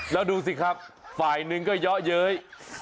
แล้วดูสิครับฝ่ายหนึ่งก็เยาะเย้ย